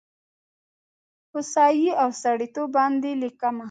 هوسايي او سړیتوب باندې لیکمه